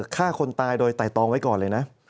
ฆ่าคนตายโดยไตรตองไว้ก่อนเลยนะ